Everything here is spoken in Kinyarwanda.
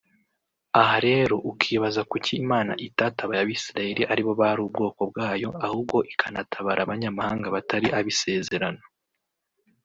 Aha rero ukibaza kuki Imana itatabaye abisilayeli aribo bari ubwoko bwayo ahubwo ikanatabara abanyamahanga batari ab’isezerano